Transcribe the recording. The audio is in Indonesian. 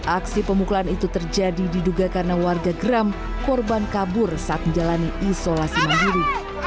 aksi pemukulan itu terjadi diduga karena warga geram korban kabur saat menjalani isolasi mandiri